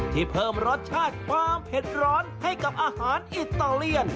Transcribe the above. เพิ่มรสชาติความเผ็ดร้อนให้กับอาหารอิตาเลียน